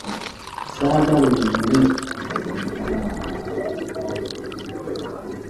Ssaagala ogambe nti towulira byenkugamba.